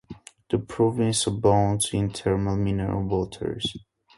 The province abounds in thermal mineral waters.